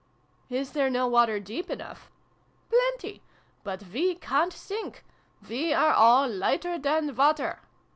"Is there no water deep enough ?"" Plenty ! But we ca'n't sink. We are all lighter than water.